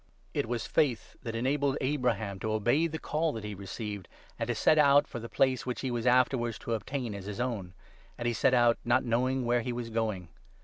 It was faith that enabled Abraham to obey the Call that he received, and to set out for the place which he was afterwards to obtain as his own ; and he set out not knowing where he was going.